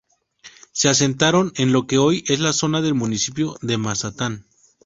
Se asentaron en lo que hoy es la zona del municipio de Mazatán.